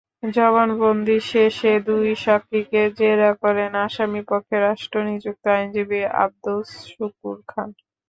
জবানবন্দি শেষে দুই সাক্ষীকে জেরা করেন আসামিপক্ষে রাষ্ট্রনিযুক্ত আইনজীবী আবদুস শুকুর খান।